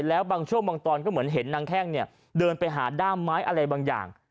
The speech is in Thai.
แล้วบางช่วงบางตอนก็เหมือนเห็นนางแข้งเนี่ยเดินไปหาด้ามไม้อะไรบางอย่าง